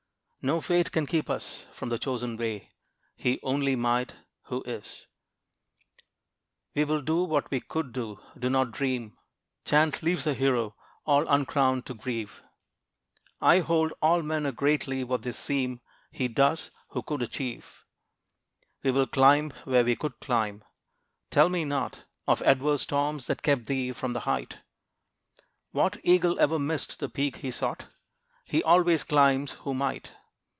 No fate can keep us from the chosen way; He only might, who is. We will do what we could do. Do not dream Chance leaves a hero, all uncrowned to grieve. I hold, all men are greatly what they seem; He does, who could achieve. We will climb where we could climb. Tell me not Of adverse storms that kept thee from the height. What eagle ever missed the peak he sought? He always climbs who might.